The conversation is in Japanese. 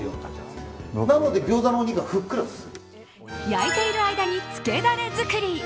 焼いている間につけダレ作り。